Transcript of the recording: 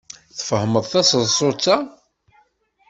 Tfehmeḍ taseḍsut-a?